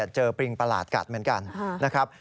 ปริงประหลาดกัดเหมือนกันนะครับ